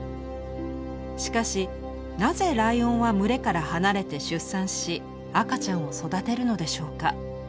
しかしなぜライオンは群れから離れて出産し赤ちゃんを育てるのでしょうか？